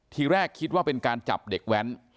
ทีแรกคิดว่าเป็นการจับเด็กแว้น